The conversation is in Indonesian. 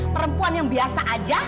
perempuan yang biasa aja